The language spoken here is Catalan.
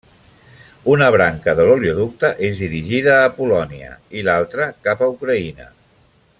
Una branca de l'oleoducte és dirigida a Polònia i l'altra cap a Ucraïna.